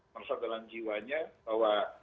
merasuk dalam jiwanya bahwa